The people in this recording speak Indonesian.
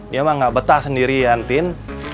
iya mah gak betah sendiri yaan tin